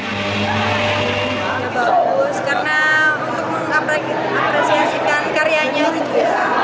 ini bagus karena untuk mengapresiasikan karyanya juga